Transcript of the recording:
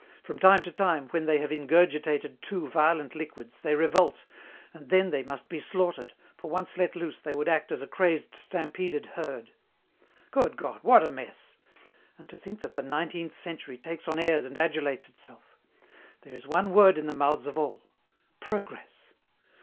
From time to time, when they have ingurgitated too violent liquids, they revolt, and then they must be slaughtered, for once let loose they would act as a crazed stampeded herd. "Good God, what a mess! And to think that the nineteenth century takes on airs and adulates itself. There is one word in the mouths of all. Progress.